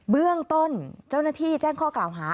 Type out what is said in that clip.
เบื้องต้นเจ้าหน้าที่แจ้งข้อกล่าวหา